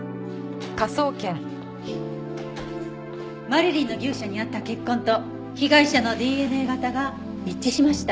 マリリンの牛舎にあった血痕と被害者のＤＮＡ型が一致しました。